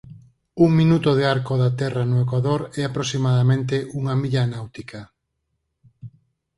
Un minuto de arco da Terra no ecuador é aproximadamente unha milla náutica.